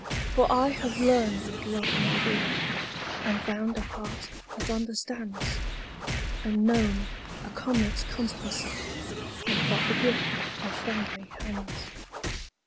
32 BETTER FAR TO PASS AWAY 33 For I have learned what love may be, And found a heart that understands, And known a comrade's constancy, And felt the grip of friendly hands.